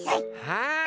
はい。